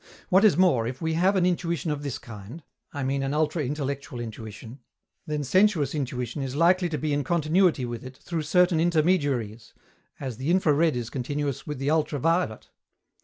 What is more, if we have an intuition of this kind (I mean an ultra intellectual intuition) then sensuous intuition is likely to be in continuity with it through certain intermediaries, as the infra red is continuous with the ultra violet.